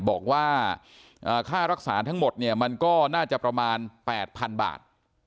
บอกว่าค่ารักษาทั้งหมดเนี่ยมันก็น่าจะประมาณ๘๐๐๐บาท